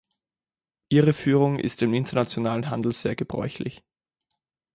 Irreführung ist im internationalen Handel sehr gebräuchlich.